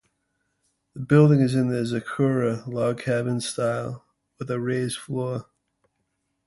The building is in the "azekura" log-cabin style, with a raised floor.